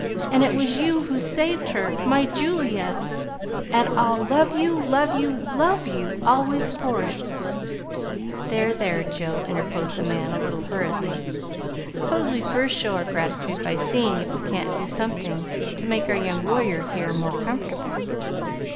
"And it was you who saved her my Juliette! And I'll love you, love you, love you always for it!" "There, there, Jill," interposed the man a little hurriedly. "Suppose we first show our gratitude by seeing if we can't do something to make our young warrior here more comfortable."